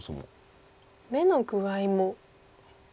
眼の具合も。